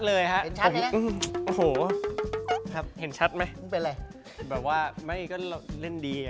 แล้วผมสรุปให้ค่าอย่างนี้